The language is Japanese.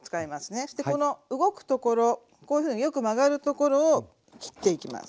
そしてこの動くところこういうふうによく曲がるところを切っていきます。